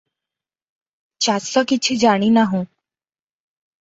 ଚାଷ କିଛି ଜାଣି ନାହୁଁ ।